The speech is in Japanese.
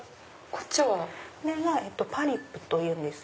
これはパリップというんです。